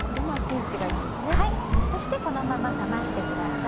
そしてこのまま冷ましてください。